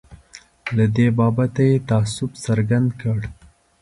له دې بابته یې تأسف څرګند کړ.